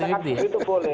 kalau katakan diri itu boleh